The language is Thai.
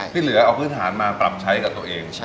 ที่เหลือเอาพื้นฐานมาปรับใช้กับตัวเอง